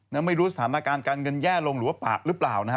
ยังไม่รู้สถานการณ์การเงินแย่ลงหรือว่าปะหรือเปล่านะฮะ